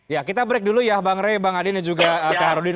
ya kita break dulu ya bang rey bang adin dan juga kak harudin